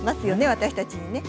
私たちにね。